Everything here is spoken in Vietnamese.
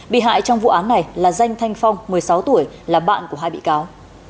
bị hại trong vụ án này là danh thanh phong một mươi sáu tuổi là bạn của hai bị cáo